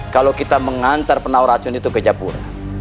kalau kita mengantar penawar racun itu ke japur